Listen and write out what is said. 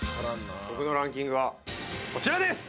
僕のランキングはこちらです！